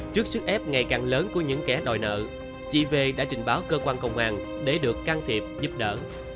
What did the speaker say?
trước sức ép ngày càng lớn của những kẻ đòi nợ chị v đã trình báo cơ quan công an để được can thiệp giúp đỡ